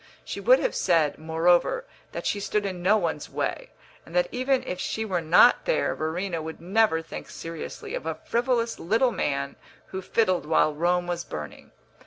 She would have said, moreover, that she stood in no one's way, and that even if she were not there Verena would never think seriously of a frivolous little man who fiddled while Rome was burning.